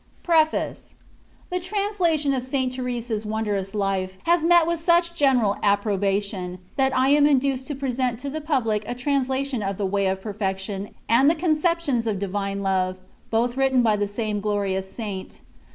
a 2 PREFACE. The translation of St. Teresa's wondrous " Life" has met with such general approbation, that I am induced to present to the public a translation of the " Way of Perfection," and the " Conceptions of Divine Love," both written by the same glorious Saint.